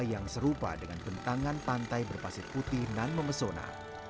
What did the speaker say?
yang serupa dengan bentangan pantai berpasir putih nan memesona